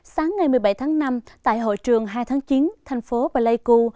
sáng ngày một mươi bảy tháng năm tại hội trường hai tháng chín thành phố paleku